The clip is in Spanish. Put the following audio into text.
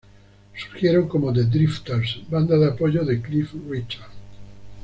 Surgieron como "The Drifters", banda de apoyo de Cliff Richard.